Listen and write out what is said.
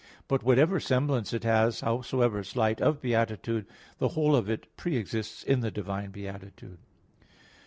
But whatever semblance it has, howsoever slight, of beatitude, the whole of it pre exists in the divine beatitude.